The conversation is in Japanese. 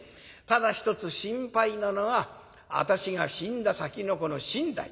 ただ一つ心配なのは私が死んだ先のこの身代。